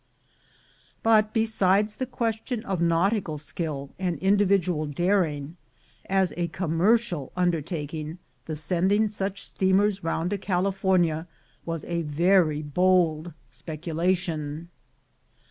But besides the question of nautical skill and indi vidual daring, as a commercial undertaking the send ing such steamers round to California was a very bold speculation.